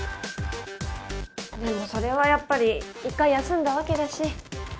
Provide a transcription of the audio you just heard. でもそれはやっぱり一回休んだわけだし。